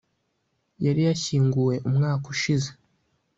yari yashyinguwe umwaka ushize.